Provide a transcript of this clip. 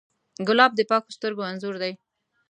ګلاب د پاکو سترګو انځور دی.